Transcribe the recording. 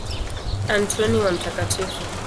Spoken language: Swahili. Antoni wa Mt.